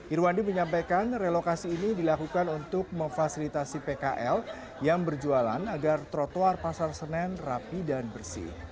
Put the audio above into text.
irwandi menyampaikan relokasi ini dilakukan untuk memfasilitasi pkl yang berjualan agar trotoar pasar senen rapi dan bersih